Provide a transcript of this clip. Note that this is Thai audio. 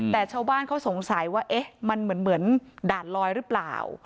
แต่ชาวบ้านเขาสงสัยว่าเอ๊ะมันเหมือนด่านลอยหรือเปล่า